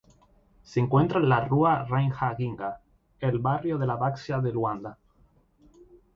Se encuentra en la Rua Rainha Ginga, en el barrio de Baixa de Luanda.